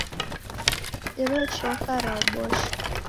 Iro choka raobosha.